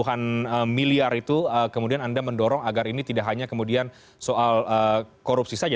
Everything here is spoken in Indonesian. puluhan miliar itu kemudian anda mendorong agar ini tidak hanya kemudian soal korupsi saja